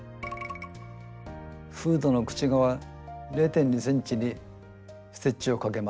フードの口側０．２ｃｍにステッチをかけます。